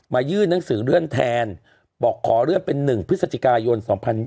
ยื่นหนังสือเลื่อนแทนบอกขอเลื่อนเป็น๑พฤศจิกายน๒๐๒๐